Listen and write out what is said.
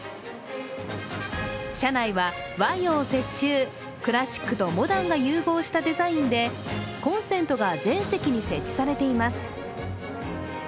車内は和洋折衷、クラシックとモダンが融合したデザインでコンセントが全席に設置されています。